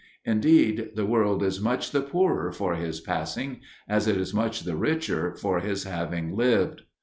Indeed, "the world is much the poorer for his passing, as it is much the richer for his having lived."